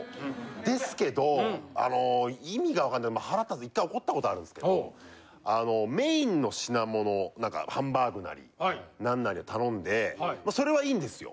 ですけどあの意味が分かんない腹立って１回怒ったことあるんですけどあのメインの品物何かハンバーグなり何なりを頼んでまあそれはいいんですよ。